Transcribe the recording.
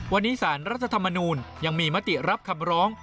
วันนี้สารรัฐธรรมนูลยังมีมติรับคำร้อง